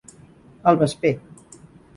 El vesper.